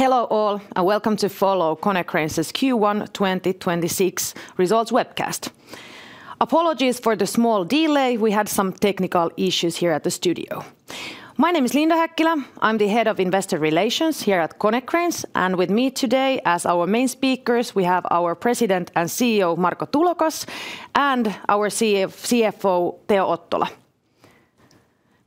Hello all, welcome to Konecranes' Q1 2026 Results webcast. Apologies for the small delay. We had some technical issues here at the studio. My name is Linda Häkkilä. I'm the Head of Investor Relations here at Konecranes, and with me today as our main speakers, we have our President and CEO, Marko Tulokas, and our CFO, Teo Ottola.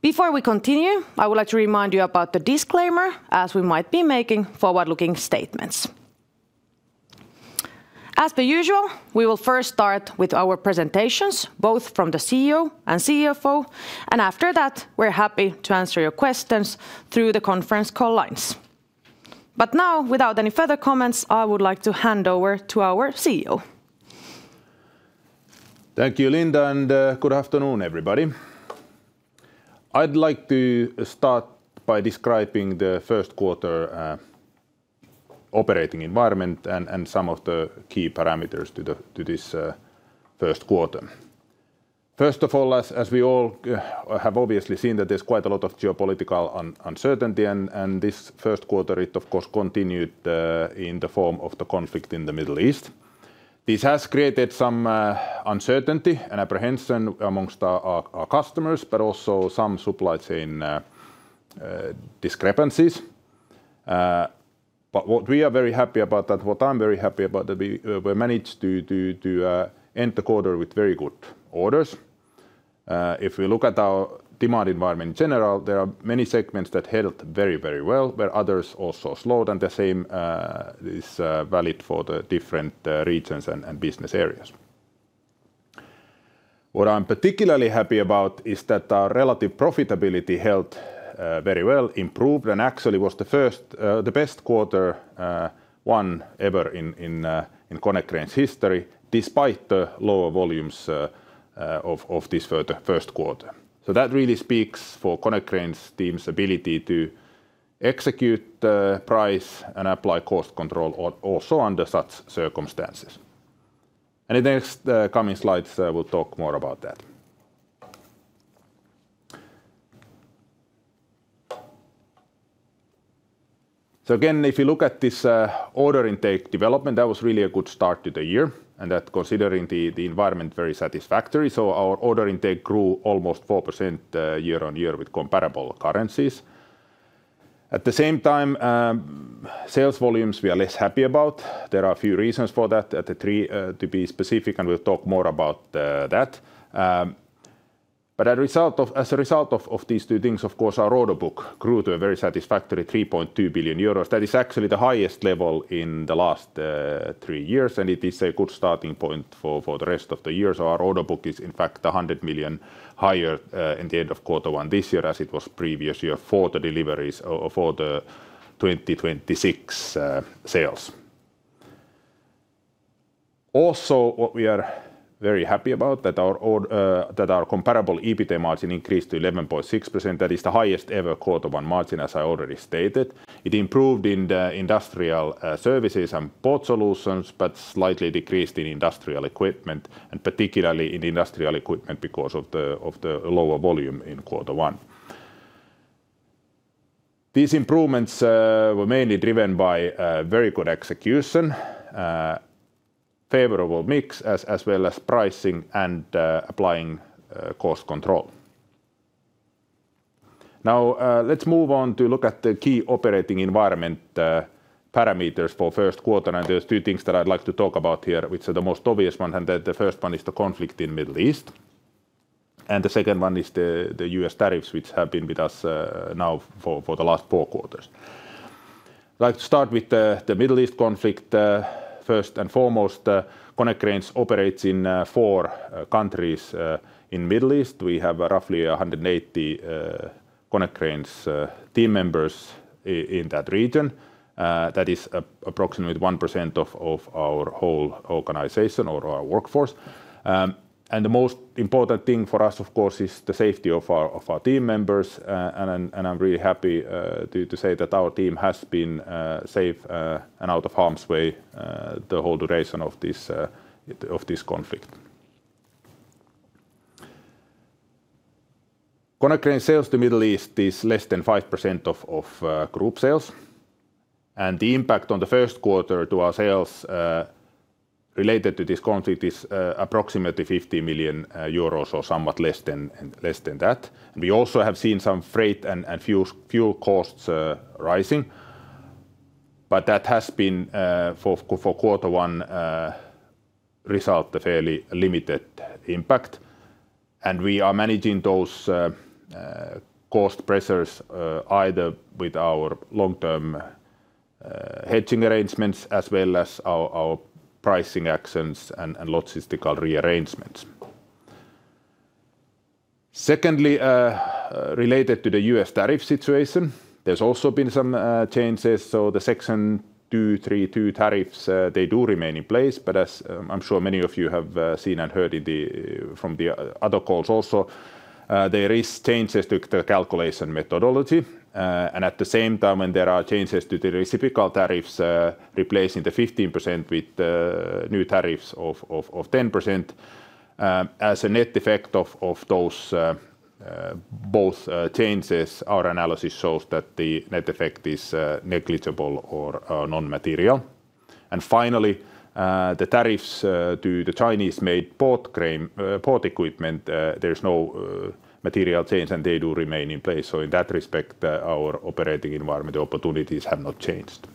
Before we continue, I would like to remind you about the disclaimer, as we might be making forward-looking statements. As per usual, we will first start with our presentations, both from the CEO and CFO, and after that, we're happy to answer your questions through the conference call lines. Now, without any further comments, I would like to hand over to our CEO. Thank you, Linda. Good afternoon, everybody. I'd like to start by describing the first quarter operating environment and some of the key parameters to this first quarter. First of all, as we all have obviously seen that there's quite a lot of geopolitical uncertainty, and this first quarter it, of course, continued in the form of the conflict in the Middle East. This has created some uncertainty and apprehension amongst our customers, but also some supply chain discrepancies. What I'm very happy about that we managed to end the quarter with very good orders. If we look at our demand environment in general, there are many segments that held very well, but others also slowed, and the same is valid for the different regions and business areas. What I'm particularly happy about is that our relative profitability held very well, improved, and actually was the first, the best quarter one ever in Konecranes history, despite the lower volumes of this first quarter. That really speaks for Konecranes team's ability to execute the price and apply cost control also under such circumstances. In the next coming slides, we'll talk more about that. Again, if you look at this order intake development, that was really a good start to the year, and that considering the environment very satisfactory. Our order intake grew almost 4% year-on-year with comparable currencies. At the same time, sales volumes, we are less happy about. There are a few reasons for that. The three, to be specific, and we'll talk more about that. As a result of these two things, of course, our order book grew to a very satisfactory 3.2 billion euros. That is actually the highest level in the last three years, and it is a good starting point for the rest of the year. Our order book is in fact 100 million higher in the end of quarter one this year, as it was previous year, for the deliveries, or for the 2026 sales. Also, what we are very happy about, that our comparable EBITA margin increased to 11.6%. That is the highest ever quarter one margin, as I already stated. It improved in the Industrial Services and Port Solutions, but slightly decreased in industrial equipment, and particularly in industrial equipment because of the lower volume in quarter one. These improvements were mainly driven by very good execution, favorable mix, as well as pricing and applying cost control. Let's move on to look at the key operating environment parameters for first quarter. There's two things that I'd like to talk about here, which are the most obvious one, and the first one is the conflict in Middle East, and the second one is the U.S. tariffs, which have been with us now for the last four quarters. I'd like to start with the Middle East conflict. First and foremost, Konecranes operates in four countries in Middle East. We have roughly 180 Konecranes team members in that region. That is approximately 1% of our whole organization or our workforce. The most important thing for us, of course, is the safety of our team members. I'm really happy to say that our team has been safe and out of harm's way the whole duration of this conflict. Konecranes sales to Middle East is less than 5% of group sales, and the impact on the first quarter to our sales related to this conflict is approximately 50 million euros or somewhat less than that. We also have seen some freight and fuel costs rising, but that has been for quarter one result a fairly limited impact. We are managing those cost pressures either with our long-term hedging arrangements as well as our pricing actions and logistical rearrangements. Secondly, related to the U.S. tariff situation, there's also been some changes. The Section 232 tariffs, they do remain in place, but as I'm sure many of you have seen and heard from the other calls also, there is changes to the calculation methodology. At the same time, when there are changes to the reciprocal tariffs, replacing the 15% with new tariffs of 10%, as a net effect of those changes, our analysis shows that the net effect is negligible or non-material. Finally, the tariffs to the Chinese-made port crane, port equipment, there's no material change, and they do remain in place. In that respect, our operating environment opportunities have not changed.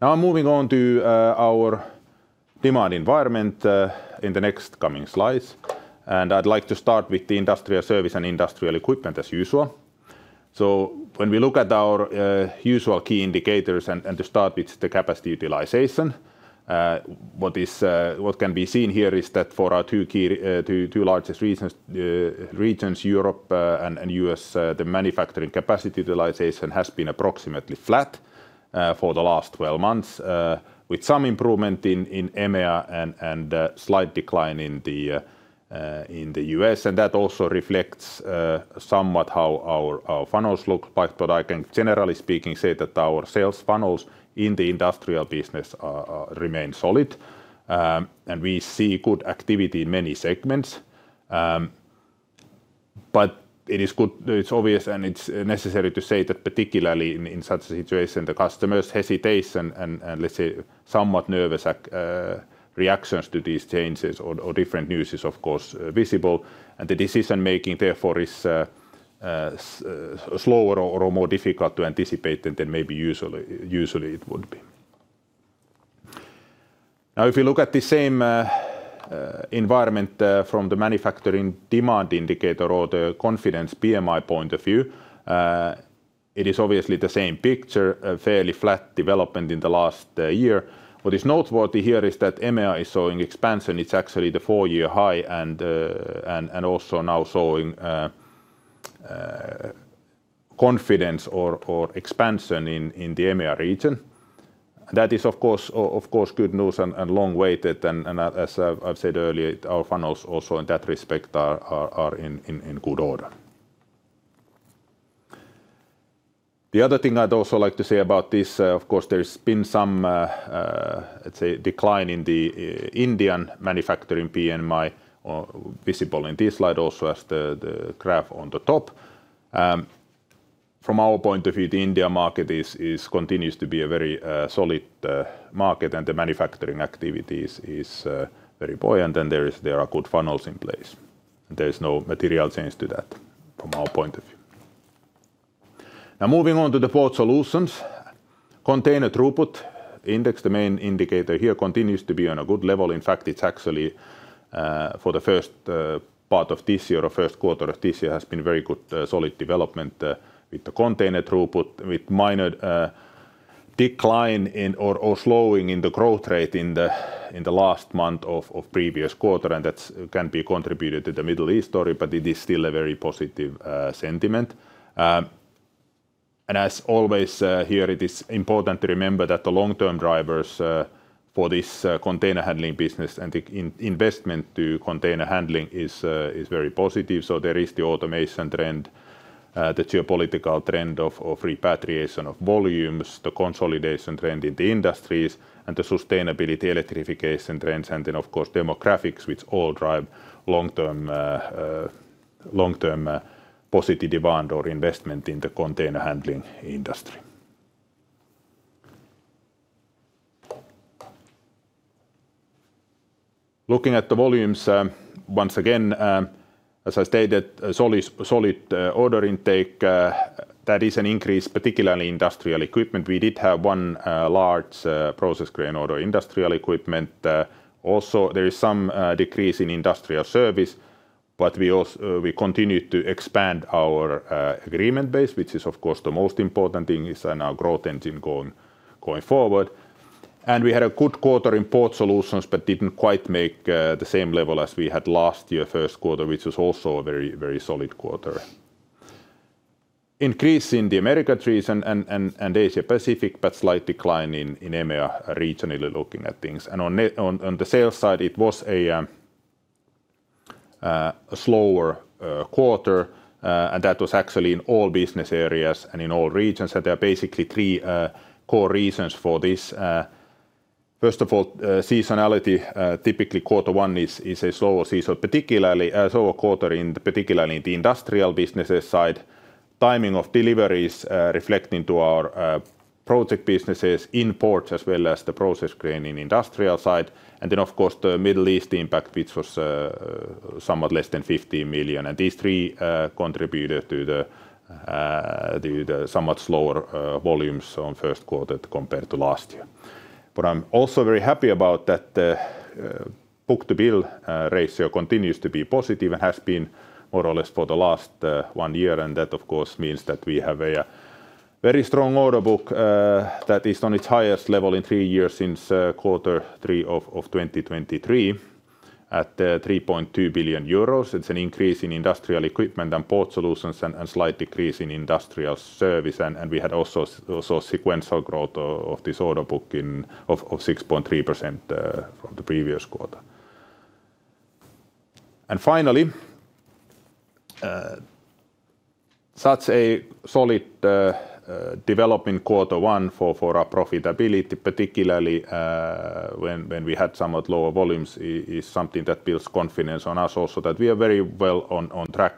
Now moving on to our demand environment in the next coming slides. I'd like to start with the industrial service and industrial equipment as usual. When we look at our usual key indicators and to start with the capacity utilization, what is, what can be seen here is that for our two largest regions Europe and U.S., the manufacturing capacity utilization has been approximately flat for the last 12 months, with some improvement in EMEA and a slight decline in the U.S. That also reflects somewhat how our funnels look like, but I can generally speaking say that our sales funnels in the industrial business remain solid. We see good activity in many segments. It is good. It's obvious and it's necessary to say that particularly in such a situation, the customer's hesitation and, let's say somewhat nervous reactions to these changes or, different news is of course visible, and the decision-making therefore is slower or more difficult to anticipate than maybe usually it would be. Now if you look at the same environment from the manufacturing demand indicator or the confidence PMI point of view, it is obviously the same picture, a fairly flat development in the last year. What is noteworthy here is that EMEA is showing expansion. It's actually the four-year high and also now showing confidence or expansion in the EMEA region. That is of course, of course good news and long-awaited. As I've said earlier, our funnels also in that respect are in good order. The other thing I'd also like to say about this, of course there's been some, let's say decline in the Indian manufacturing PMI, visible in this slide also as the graph on the top. From our point of view, the India market continues to be a very solid market, and the manufacturing activity is very buoyant, and there are good funnels in place. There is no material change to that from our point of view. Now moving on to the Port Solutions. Container Throughput Index, the main indicator here continues to be on a good level. In fact, it's actually for the first part of this year or first quarter of this year has been very good, solid development with the container throughput, with minor decline in or slowing in the growth rate in the last month of previous quarter. That can be contributed to the Middle East story, but it is still a very positive sentiment. As always, here it is important to remember that the long-term drivers for this container handling business and the investment to container handling is very positive. There is the automation trend, the geopolitical trend of repatriation of volumes, the consolidation trend in the industries, and the sustainability electrification trends, and then of course demographics, which all drive long-term positive demand or investment in the container handling industry. Looking at the volumes, once again, as I stated, a solid order intake, that is an increase particularly industrial equipment. We did have one large process crane order industrial equipment. Also there is some decrease in industrial service, but we continue to expand our agreement base, which is of course the most important thing is, and our growth engine going forward. We had a good quarter in Port Solutions, but didn't quite make the same level as we had last year first quarter, which was also a very, very solid quarter. Increase in the Americas region and Asia-Pacific, but slight decline in EMEA regionally looking at things. On the sales side, it was a slower quarter, and that was actually in all business areas and in all regions. There are basically three core reasons for this. First of all, seasonality, typically quarter one is a slower season, particularly a slower quarter in particularly in the industrial businesses side, timing of deliveries, reflecting to our project businesses in ports as well as the process crane in industrial side. Of course the Middle East impact, which was somewhat less than 50 million. These three contributed to the somewhat slower volumes on first quarter compared to last year. I'm also very happy about that book-to-bill ratio continues to be positive and has been more or less for the last one year. That of course means that we have a very strong order book that is on its highest level in three years since quarter three of 2023 at 3.2 billion euros. It's an increase in Industrial Equipment and Port Solutions and slight decrease in Industrial Service. We had also sequential growth of this order book of 6.3% from the previous quarter. Finally, such a solid development quarter one for our profitability, particularly when we had somewhat lower volumes is something that builds confidence on us also that we are very well on track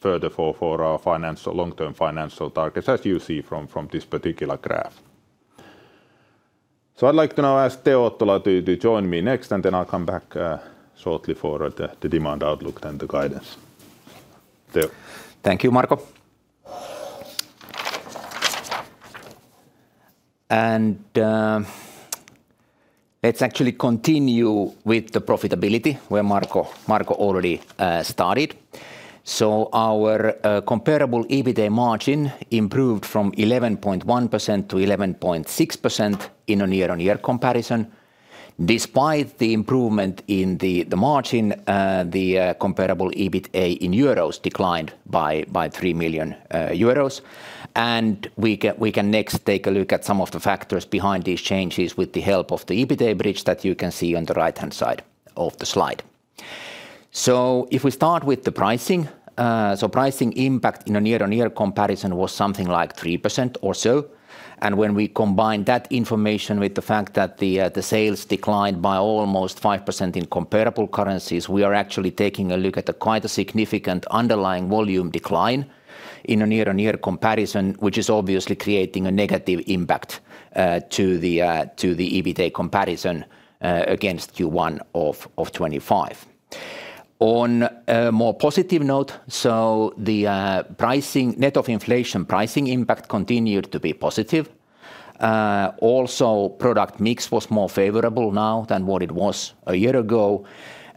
further for our financial, long-term financial targets, as you see from this particular graph. I'd like to now ask Teo Ottola to join me next, I'll come back shortly for the demand outlook and the guidance. Teo. Thank you, Marko. Let's actually continue with the profitability where Marko already started. Our comparable EBITA margin improved from 11.1% to 11.6% in a year-on-year comparison. Despite the improvement in the margin, the comparable EBITA in euros declined by EUR 3 million. We can next take a look at some of the factors behind these changes with the help of the EBITA bridge that you can see on the right-hand side of the slide. If we start with the pricing impact in a year-on-year comparison was something like 3% or so, and when we combine that information with the fact that the sales declined by almost 5% in comparable currencies, we are actually taking a look at a quite a significant underlying volume decline in a year-on-year comparison, which is obviously creating a negative impact to the EBITA comparison against Q1 of 2025. On a more positive note, the pricing, net of inflation pricing impact continued to be positive. Also product mix was more favorable now than what it was a year ago.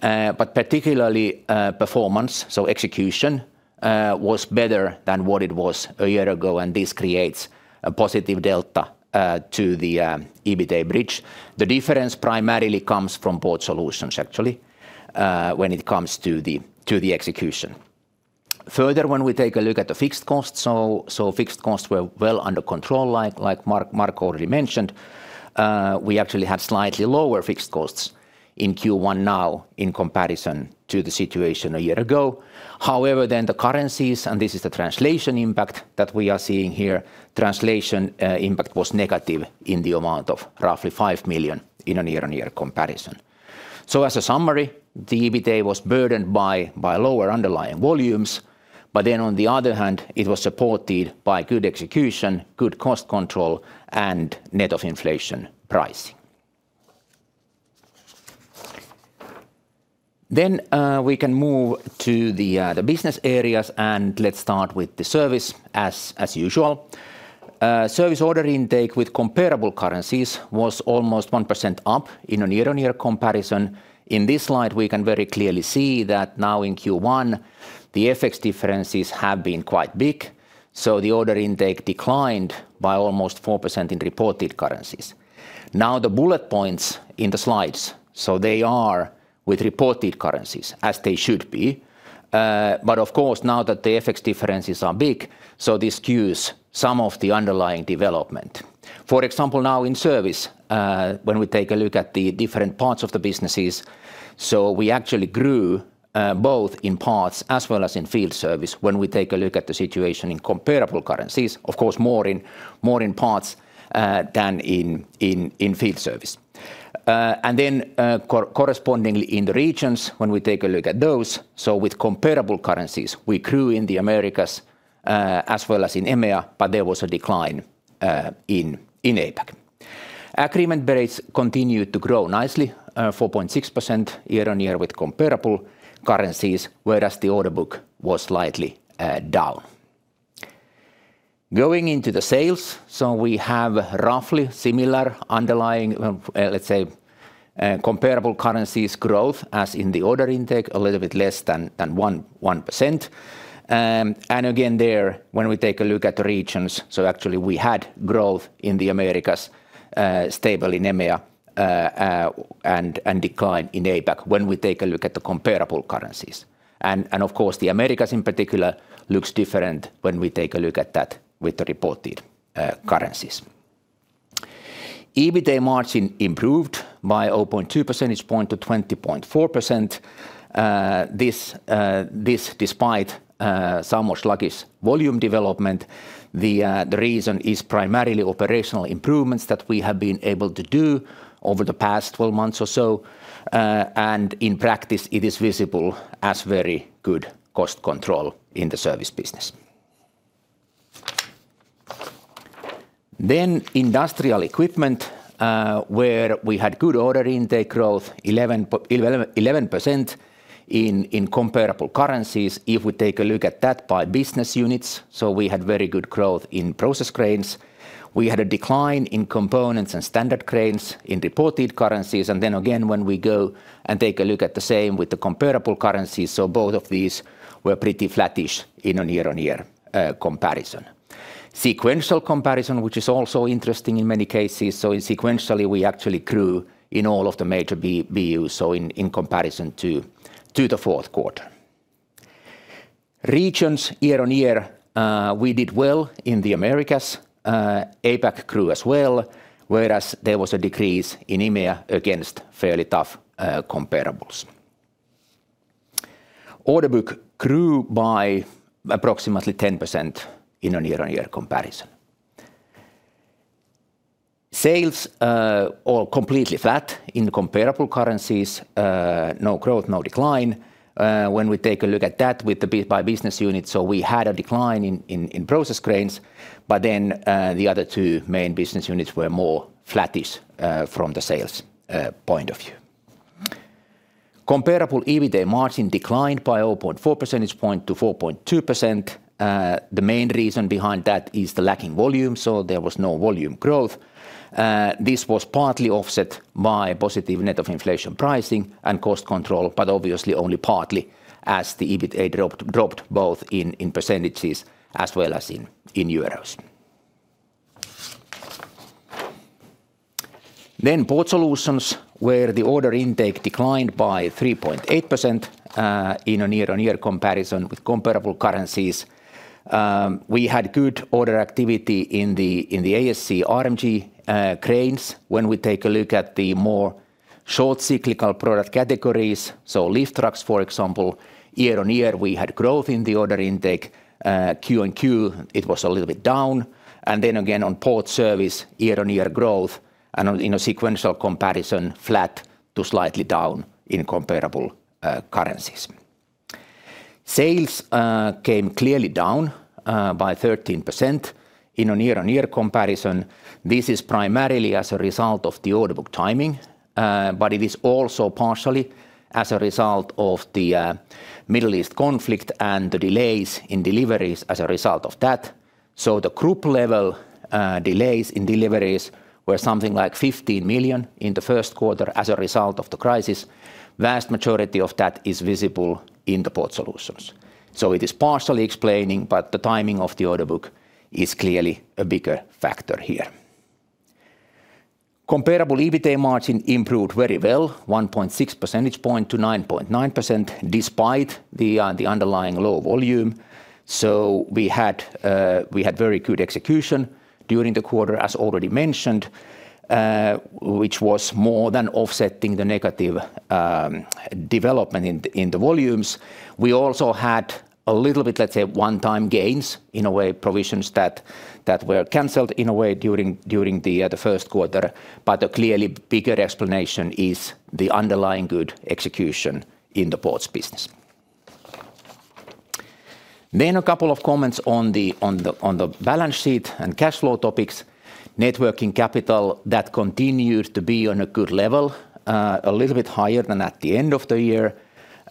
But particularly, performance, execution, was better than what it was a year ago, and this creates a positive delta to the EBITA bridge. The difference primarily comes from Port Solutions, actually, when it comes to the, to the execution. Further, when we take a look at the fixed costs, fixed costs were well under control like Marko already mentioned. We actually had slightly lower fixed costs in Q1 now in comparison to the situation a year ago. The currencies, and this is the translation impact that we are seeing here, translation impact was negative in the amount of roughly 5 million in a year-on-year comparison. As a summary, the EBITA was burdened by lower underlying volumes. On the other hand, it was supported by good execution, good cost control, and net of inflation pricing. We can move to the business areas, and let's start with the service as usual. Service order intake with comparable currencies was almost 1% up in a year-on-year comparison. In this slide, we can very clearly see that now in Q1 the FX differences have been quite big, so the order intake declined by almost 4% in reported currencies. The bullet points in the slides, they are with reported currencies, as they should be. Of course now that the FX differences are big, this skews some of the underlying development. For example, now in service, when we take a look at the different parts of the businesses, we actually grew both in parts as well as in field service when we take a look at the situation in comparable currencies. Of course more in, more in parts than in field service. Correspondingly in the regions when we take a look at those, so with comparable currencies, we grew in the Americas, as well as in EMEA, but there was a decline in APAC. Agreement rates continued to grow nicely, 4.6% year-on-year with comparable currencies, whereas the order book was slightly down. Going into the sales, so we have roughly similar underlying, let's say, comparable currencies growth as in the order intake, a little bit less than 1%. Again there when we take a look at the regions, so actually we had growth in the Americas, stable in EMEA, and decline in APAC when we take a look at the comparable currencies. Of course the Americas in particular looks different when we take a look at that with the reported currencies. EBITA margin improved by 0.2 percentage point to 20.4%. Despite somewhat sluggish volume development. The reason is primarily operational improvements that we have been able to do over the past 12 months or so. In practice it is visible as very good cost control in the service business. Industrial equipment, where we had good order intake growth, 11% in comparable currencies. If we take a look at that by business units, we had very good growth in process cranes. We had a decline in components and standard cranes in reported currencies. When we go and take a look at the same with the comparable currencies, both of these were pretty flattish in a year-on-year comparison. Sequential comparison, which is also interesting in many cases, sequentially we actually grew in all of the major BU, in comparison to the fourth quarter. Regions year-on-year, we did well in the Americas. APAC grew as well, whereas there was a decrease in EMEA against fairly tough comparables. Order book grew by approximately 10% in a year-on-year comparison. Sales were completely flat in comparable currencies, no growth, no decline. When we take a look at that with the business-by-business unit, we had a decline in process cranes, but then the other two main business units were more flattish from the sales point of view. Comparable EBITA margin declined by 0.4 percentage point to 4.2%. The main reason behind that is the lacking volume. There was no volume growth. This was partly offset by positive net of inflation pricing and cost control, obviously only partly as the EBITA dropped both in percentages as well as in euros. Port Solutions, where the order intake declined by 3.8% in a year-on-year comparison with comparable currencies. We had good order activity in the ASC RMG cranes when we take a look at the more short cyclical product categories. Lift trucks, for example, year-on-year, we had growth in the order intake. Q-on-Q, it was a little bit down. Again, on port service, year-on-year growth and in a sequential comparison, flat to slightly down in comparable currencies. Sales came clearly down by 13% in a year-on-year comparison. This is primarily as a result of the order book timing, but it is also partially as a result of the Middle East conflict and the delays in deliveries as a result of that. The group level delays in deliveries were something like 15 million in the first quarter as a result of the crisis. Vast majority of that is visible in the Port Solutions. It is partially explaining, but the timing of the order book is clearly a bigger factor here. Comparable EBITA margin improved very well, 1.6 percentage point to 9.9%, despite the underlying low volume. We had very good execution during the quarter, as already mentioned, which was more than offsetting the negative development in the volumes. We also had a little bit, let's say, one-time gains, in a way, provisions that were canceled in a way during the first quarter. A clearly bigger explanation is the underlying good execution in the ports business. A couple of comments on the balance sheet and cash flow topics. Networking capital, that continues to be on a good level, a little bit higher than at the end of the year.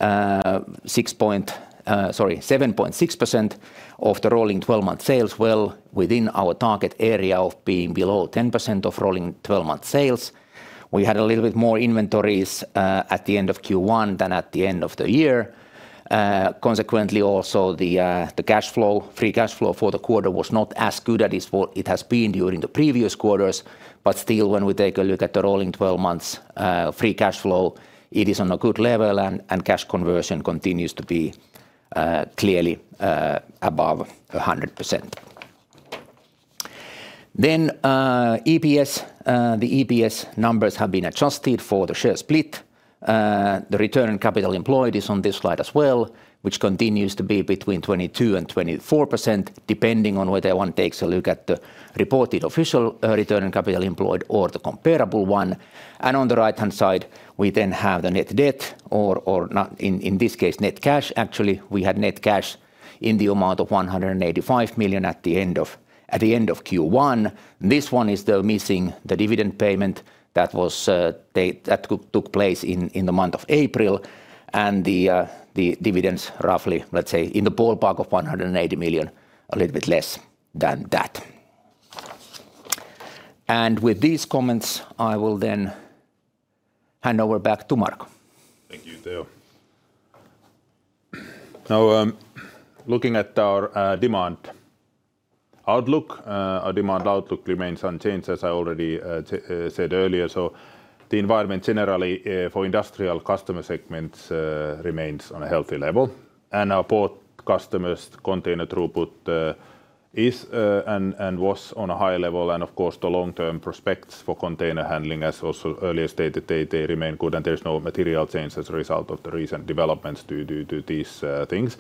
7.6% of the rolling 12-month sales, well within our target area of being below 10% of rolling 12-month sales. We had a little bit more inventories at the end of Q1 than at the end of the year. Consequently also the cash flow, free cash flow for the quarter was not as good as is for it has been during the previous quarters. Still, when we take a look at the rolling 12 months free cash flow, it is on a good level and cash conversion continues to be clearly above 100%. EPS, the EPS numbers have been adjusted for the share split. The return on capital employed is on this slide as well, which continues to be between 22% and 24%, depending on whether one takes a look at the reported official return on capital employed or the comparable one. On the right-hand side, we then have the net debt or not, in this case, net cash. Actually, we had net cash in the amount of 185 million at the end of Q1. This one is still missing the dividend payment that took place in the month of April, and the dividends roughly, let's say, in the ballpark of 180 million, a little bit less than that. With these comments, I will then hand over back to Marko. Thank you, Teo. Looking at our demand outlook, our demand outlook remains unchanged, as I already said earlier. The environment generally for industrial customer segments remains on a healthy level. Our port customers' container throughput is and was on a high level. Of course, the long-term prospects for container handling, as also earlier stated, they remain good and there's no material change as a result of the recent developments to these things.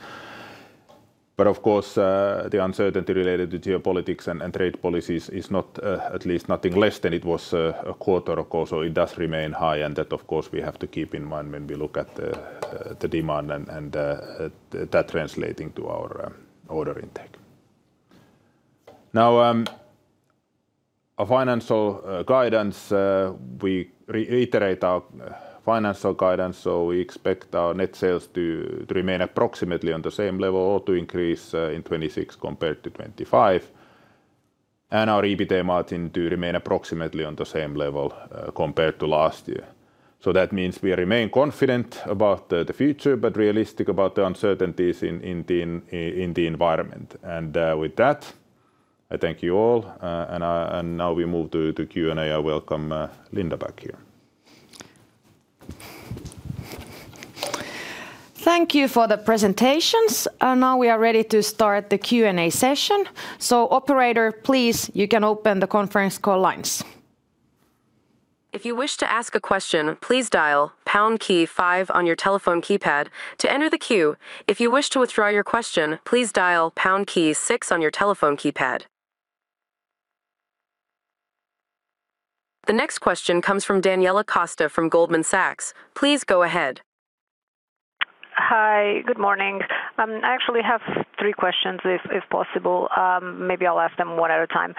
Of course, the uncertainty related to geopolitics and trade policies is not at least nothing less than it was a quarter ago. It does remain high and that, of course, we have to keep in mind when we look at the demand and that translating to our order intake. Our financial guidance, we reiterate our financial guidance. We expect our net sales to remain approximately on the same level or to increase in 2026 compared to 2025, and our EBITA margin to remain approximately on the same level compared to last year. That means we remain confident about the future, but realistic about the uncertainties in the environment. With that, I thank you all, and now we move to Q&A. I welcome Linda back here. Thank you for the presentations. Now we are ready to start the Q&A session. Operator, please, you can open the conference call lines. The next question comes from Daniela Costa from Goldman Sachs. Please go ahead. Hi. Good morning. I actually have three questions if possible. Maybe I'll ask them one at a time.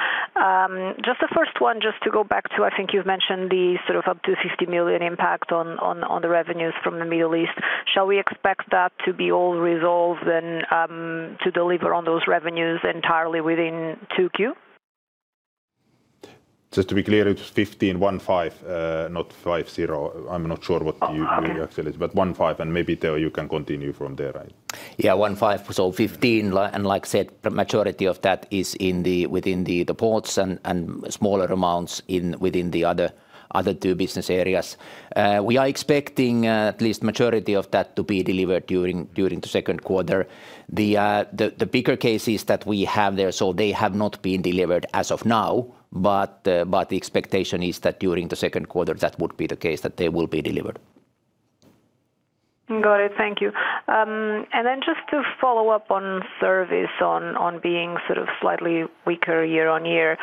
Just the first one, just to go back to I think you've mentioned the sort of up to 60 million impact on the revenues from the Middle East. Shall we expect that to be all resolved and to deliver on those revenues entirely within 2Q? Just to be clear, it was 15 million, not 50 million. I'm not sure. Uh, uh... actually said, but 15 million and maybe Teo Ottola you can continue from there, right? Yeah. 15 million, so 15 million. Like I said, the majority of that is in the, within the ports and smaller amounts in, within the other two business areas. We are expecting at least majority of that to be delivered during the second quarter. The, the bigger cases that we have there, they have not been delivered as of now, but the expectation is that during the second quarter that would be the case that they will be delivered. Got it. Thank you. Then just to follow up on service on being sort of slightly weaker year-on-year,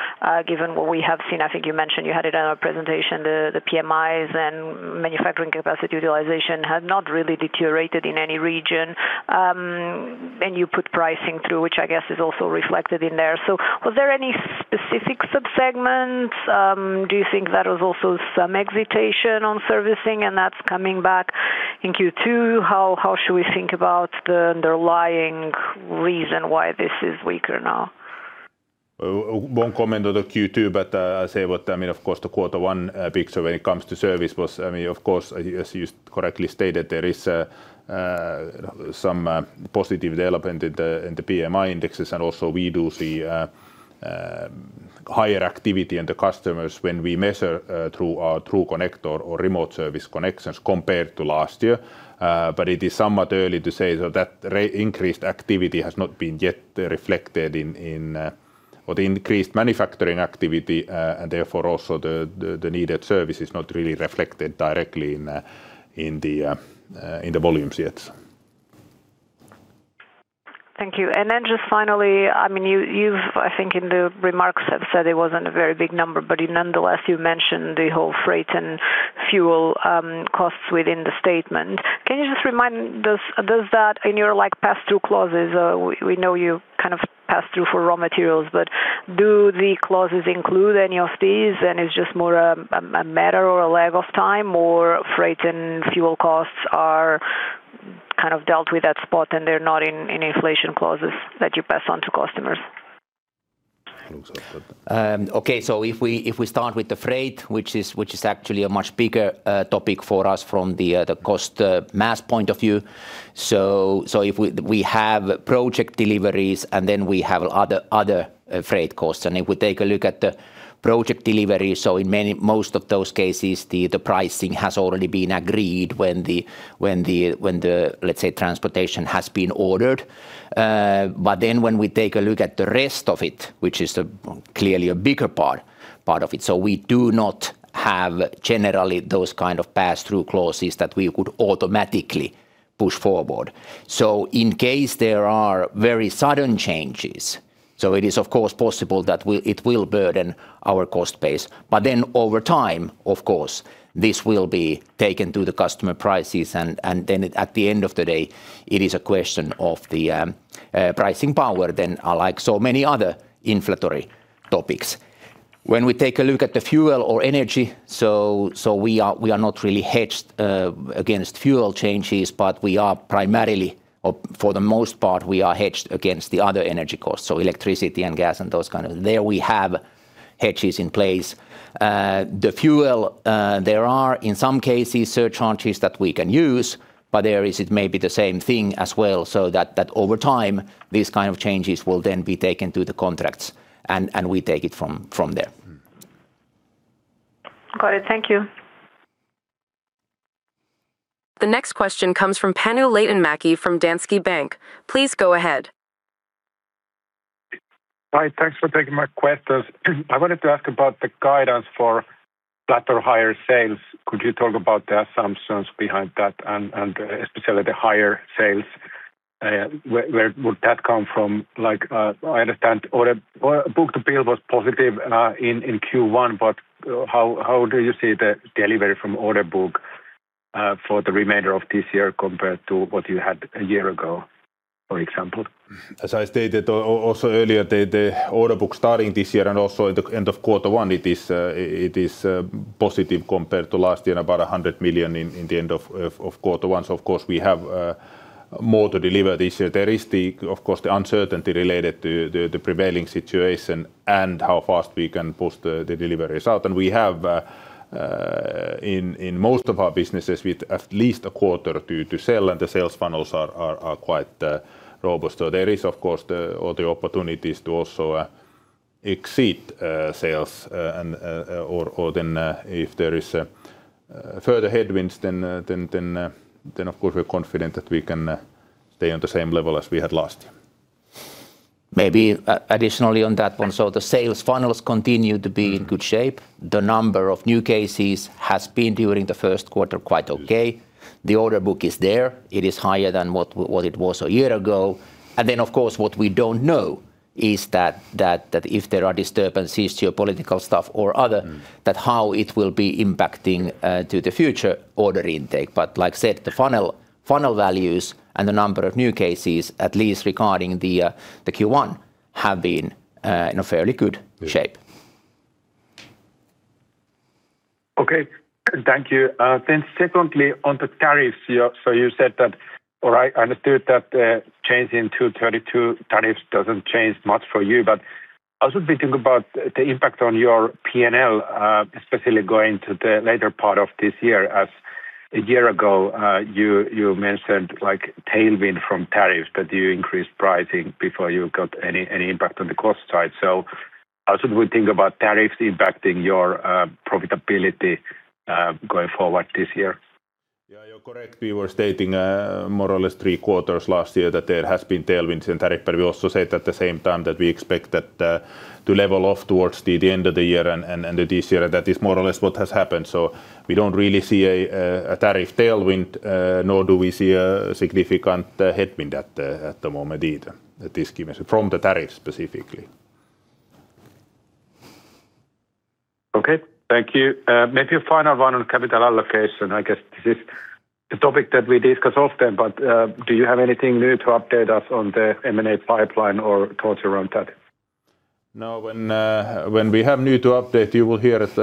given what we have seen. I think you mentioned you had it on a presentation, the PMIs and manufacturing capacity utilization had not really deteriorated in any region. You put pricing through, which I guess is also reflected in there. Was there any specific sub-segments? Do you think that was also some agitation on servicing and that's coming back in Q2? How should we think about the underlying reason why this is weaker now? Won't comment on the Q2, but, I mean, of course the quarter one picture when it comes to service was, I mean, of course, as you correctly stated, there is some positive development in the PMI indexes and also we do see higher activity in the customers when we measure through our TRUCONNECT or remote service connections compared to last year. It is somewhat early to say that that increased activity has not been yet reflected in the increased manufacturing activity, and therefore also the needed service is not really reflected directly in the volumes yet. Thank you. Just finally, I mean, you've, I think in the remarks have said it wasn't a very big number, but nonetheless, you mentioned the whole freight and fuel costs within the statement. Can you just remind, does that in your like pass-through clauses, we know you kind of pass through for raw materials, but do the clauses include any of these and it's just more a matter or a lag of time, or freight and fuel costs are kind of dealt with at spot and they're not in inflation clauses that you pass on to customers? Looks like that. Okay, if we start with the freight, which is actually a much bigger topic for us from the cost mass point of view. If we have project deliveries and then we have other freight costs. If we take a look at the project delivery, in many, most of those cases, the pricing has already been agreed when the, let's say, transportation has been ordered. When we take a look at the rest of it, which is a clearly a bigger part of it, we do not have generally those kind of pass-through clauses that we could automatically push forward. In case there are very sudden changes, it is of course possible that we, it will burden our cost base. Over time, of course, this will be taken to the customer prices and then at the end of the day, it is a question of the pricing power then like so many other inflationary topics. We take a look at the fuel or energy. We are not really hedged against fuel changes, but we are primarily, or for the most part, we are hedged against the other energy costs, so electricity and gas and those kind of. There we have hedges in place. The fuel, there are in some cases surcharges that we can use, but there is, it may be the same thing as well, so that over time, these kind of changes will then be taken to the contracts and we take it from there. Mm. Got it. Thank you. The next question comes from Panu Laitinmäki from Danske Bank. Please go ahead. Hi. Thanks for taking my questions. I wanted to ask about the guidance for flat or higher sales. Could you talk about the assumptions behind that and especially the higher sales? Where would that come from? Like, I understand book-to-bill was positive in Q1, but how do you see the delivery from order book for the remainder of this year compared to what you had a year ago, for example? As I stated also earlier, the order book starting this year and also at the end of quarter one, it is positive compared to last year, about 100 million in the end of quarter one. Of course, we have more to deliver this year. There is the, of course, the uncertainty related to the prevailing situation and how fast we can push the deliveries out. We have in most of our businesses with at least a quarter to sell, and the sales funnels are quite robust. There is, of course, the, all the opportunities to also, exceed, sales, and, or then, if there is, further headwinds then of course we're confident that we can, stay on the same level as we had last year. Maybe additionally on that one. The sales funnels continue to be in good shape. The number of new cases has been during the first quarter quite okay. The order book is there. It is higher than what it was a year ago. Of course, what we don't know is that if there are disturbances, geopolitical stuff or other- Mm... that how it will be impacting to the future order intake. Like I said, the funnel values and the number of new cases, at least regarding the Q1, have been in a fairly good shape. Yeah. Thank you. Secondly, on the tariffs. You said that or I understood that, change in 232 tariffs doesn't change much for you. I also think about the impact on your PNL, especially going to the later part of this year. As a year ago, you mentioned like tailwind from tariffs, that you increased pricing before you got any impact on the cost side. How should we think about tariffs impacting your profitability going forward this year? Yeah. You're correct. We were stating more or less three quarters last year that there has been tailwinds in tariff, we also said at the same time that we expect that to level off towards the end of the year and this year. That is more or less what has happened. We don't really see a tariff tailwind, nor do we see a significant headwind at the moment either at this given moment from the tariff specifically. Okay. Thank you. Maybe a final one on capital allocation. I guess this is a topic that we discuss often. Do you have anything new to update us on the M&A pipeline or thoughts around that? No. When we have new to update, you will hear it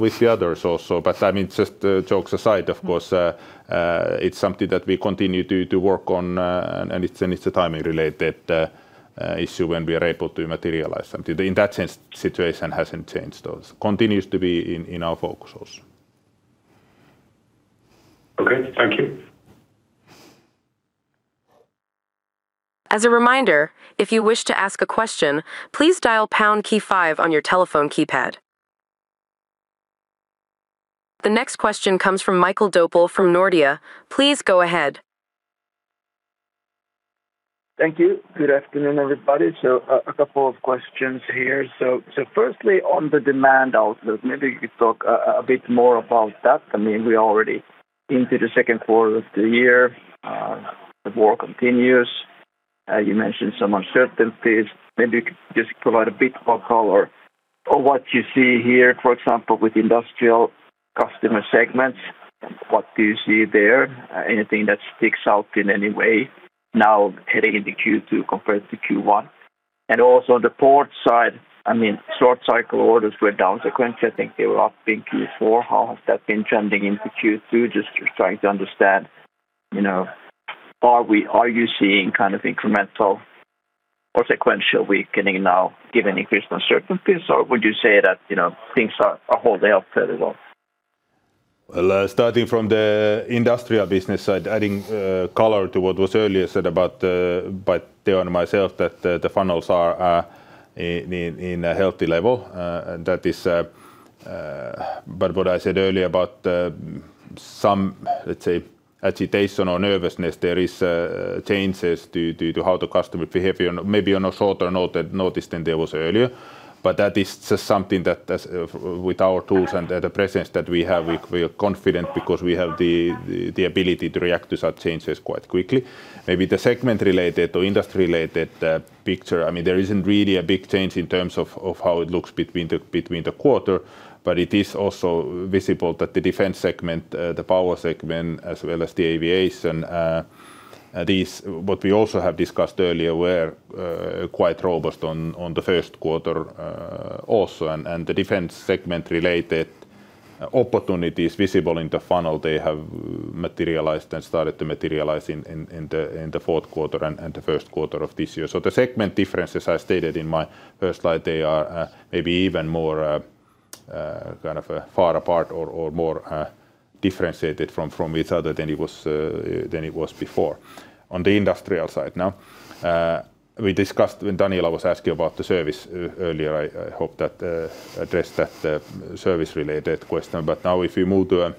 with the others also. Just jokes aside, of course, it's something that we continue to work on, and it's a timing related issue when we are able to materialize something. In that sense, situation hasn't changed. Those continues to be in our focus also. Okay. Thank you. As a reminder, if you wish to ask a question, please dial pound key five on your telephone keypad. The next question comes from Mikael Doepel from Nordea. Please go ahead. Thank you. Good afternoon, everybody. A couple of questions here. Firstly, on the demand outlook, maybe you could talk a bit more about that. I mean, we're already into the second quarter of the year. The war continues. You mentioned some uncertainties. Maybe you could just provide a bit more color on what you see here, for example, with industrial customer segments. What do you see there? Anything that sticks out in any way now heading into Q2 compared to Q1? Also on the port side, I mean, short cycle orders were down sequentially. I think they were up in Q4. How has that been trending into Q2? Just trying to understand, you know, are you seeing kind of incremental or sequential weakening now given increased uncertainties, or would you say that, you know, things are holding up fairly well? Well, starting from the industrial business side, adding color to what was earlier said by Teo and myself, that the funnels are in a healthy level. What I said earlier about some, let's say, agitation or nervousness, there is changes to how the customer behavior, maybe on a shorter note than notice than there was earlier. That is just something that as. With our tools and the presence that we have, we are confident because we have the ability to react to such changes quite quickly. Maybe the segment related or industry related picture, I mean, there isn't really a big change in terms of how it looks between the between the quarter, but it is also visible that the defense segment, the power segment, as well as the aviation, these, what we also have discussed earlier, were quite robust on the first quarter also. The defense segment related opportunities visible in the funnel, they have materialized and started to materialize in the fourth quarter and the first quarter of this year. The segment differences I stated in my first slide, they are maybe even more kind of far apart or more differentiated from each other than it was before. On the industrial side now, we discussed when Daniela was asking about the service earlier. I hope that addressed that service related question. Now if we move to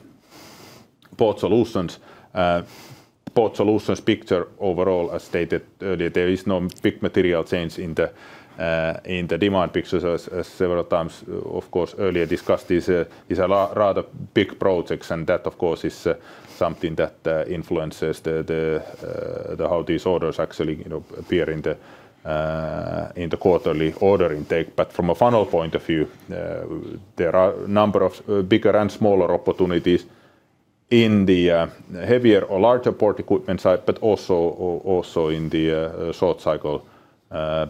Port Solutions, Port Solutions picture overall, as stated earlier, there is no big material change in the demand picture. As several times, of course earlier discussed, this is a rather big projects and that of course is something that influences the how these orders actually, you know, appear in the quarterly order intake. From a funnel point of view, there are a number of bigger and smaller opportunities in the heavier or larger port equipment side, also in the short cycle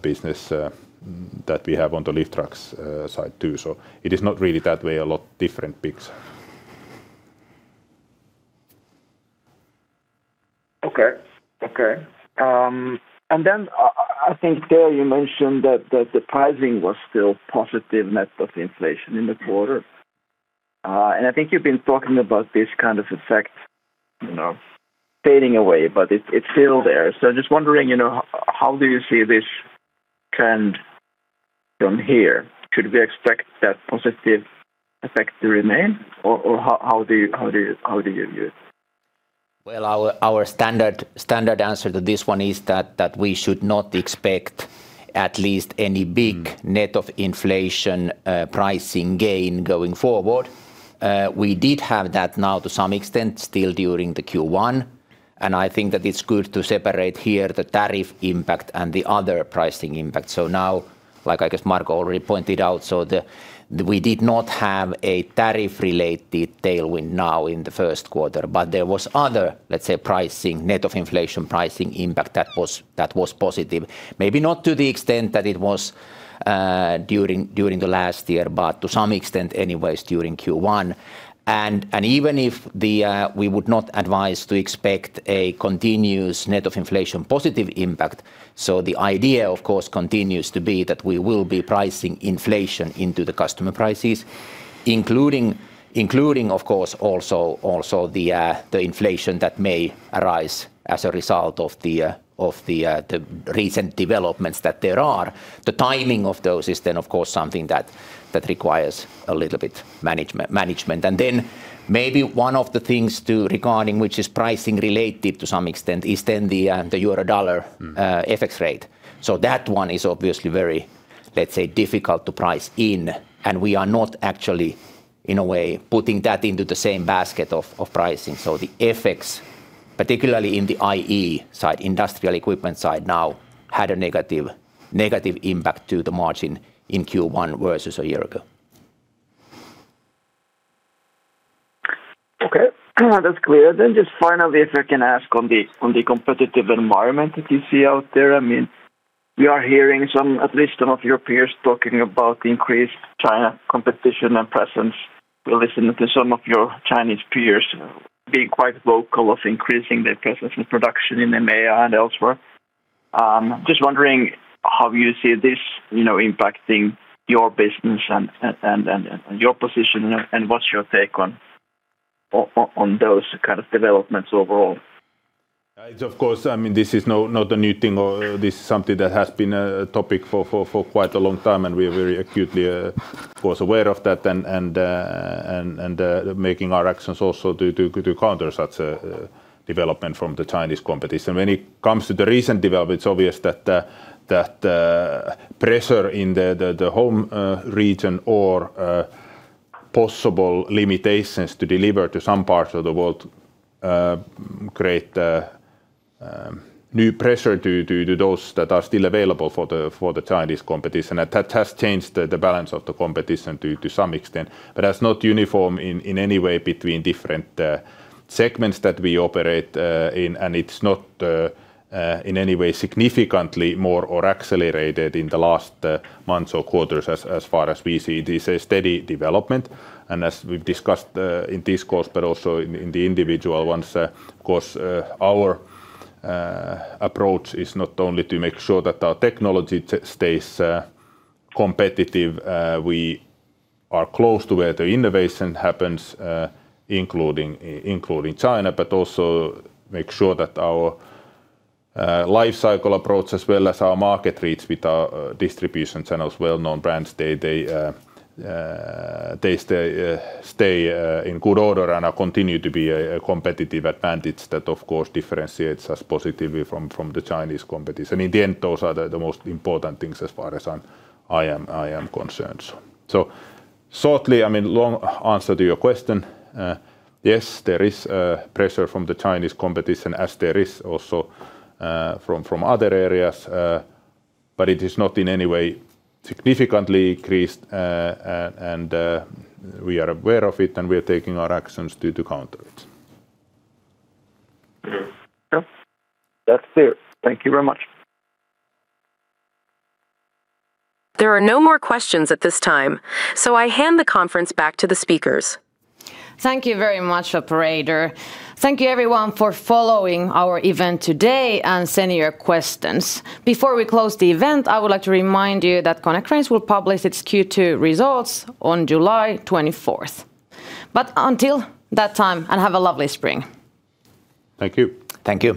business that we have on the lift trucks side too. It is not really that way a lot different picture. Okay. Okay. Then I think Teo you mentioned that the pricing was still positive net of inflation in the quarter. I think you've been talking about this kind of effect, you know, fading away, but it's still there. Just wondering, you know, from here, should we expect that positive effects to remain or how do you view it? Well, our standard answer to this one is that we should not expect at least any big net-. Mm... of inflation pricing gain going forward. We did have that now to some extent still during the Q1, and I think that it's good to separate here the tariff impact and the other pricing impact. Now, like I guess Marko already pointed out, we did not have a tariff related tailwind now in the first quarter, but there was other, let's say, pricing, net of inflation pricing impact that was positive. Maybe not to the extent that it was during the last year, but to some extent anyways during Q1. Even if the we would not advise to expect a continuous net of inflation positive impact. The idea of course continues to be that we will be pricing inflation into the customer prices including of course also the inflation that may arise as a result of the recent developments that there are. The timing of those is then of course something that requires a little bit management. Maybe one of the things too regarding which is pricing related to some extent is then the euro-dollar FX rate. That one is obviously very, let's say, difficult to price in, and we are not actually in a way putting that into the same basket of pricing. The FX, particularly in the IE side, industrial equipment side now, had a negative impact to the margin in Q1 versus a year ago. Okay. That's clear. Just finally, if I can ask on the competitive environment that you see out there. I mean, we are hearing some, at least some of your peers talking about increased China competition and presence. We're listening to some of your Chinese peers being quite vocal of increasing their presence and production in EMEA and elsewhere. Just wondering how you see this, you know, impacting your business and your position and what's your take on those kind of developments overall? I mean, this is not a new thing or this is something that has been a topic for quite a long time, and we're very acutely of course aware of that and making our actions also to counter such a development from the Chinese competition. When it comes to the recent development, it's obvious that pressure in the home region or possible limitations to deliver to some parts of the world create new pressure to those that are still available for the Chinese competition. That has changed the balance of the competition to some extent, but that's not uniform in any way between different segments that we operate in and it's not in any way significantly more or accelerated in the last months or quarters as far as we see. It is a steady development, and as we've discussed in this course but also in the individual ones, of course, our approach is not only to make sure that our technology stays competitive. We are close to where the innovation happens, including China, but also make sure that our life cycle approach as well as our market reach with our distributions and as well-known brands, they stay in good order and continue to be a competitive advantage that of course differentiates us positively from the Chinese competition. In the end, those are the most important things as far as I am concerned. Shortly, I mean, long answer to your question. Yes, there is pressure from the Chinese competition as there is also from other areas, but it is not in any way significantly increased. And we are aware of it and we are taking our actions to counter it. Okay. That's it. Thank you very much. There are no more questions at this time. I hand the conference back to the speakers. Thank you very much, operator. Thank you everyone for following our event today and sending your questions. Before we close the event, I would like to remind you that Konecranes will publish its Q2 results on July 24th. Until that time and have a lovely spring. Thank you. Thank you.